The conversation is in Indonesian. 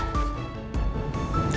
terus putri dimana